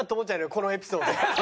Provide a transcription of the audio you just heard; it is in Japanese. このエピソード。